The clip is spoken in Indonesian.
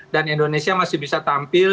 dan indonesia masih bisa tampil